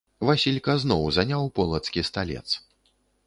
Васілька зноў заняў полацкі сталец.